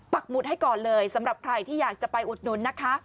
หมุดให้ก่อนเลยสำหรับใครที่อยากจะไปอุดหนุนนะคะ